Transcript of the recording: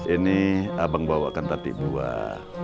ini abang bawakan tapi buah